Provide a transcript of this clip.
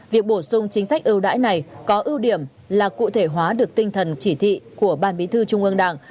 việc bổ sung chính sách ưu đãi này có ưu điểm là cụ thể hóa được tinh thần chỉ thị của ban bí thư trung ương đảng